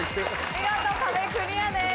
見事壁クリアです。